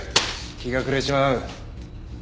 日が暮れちまう。